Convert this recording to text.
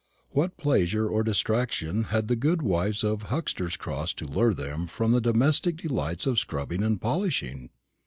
What pleasure or distraction had the good housewives of Huxter's Cross to lure them from the domestic delights of scrubbing and polishing?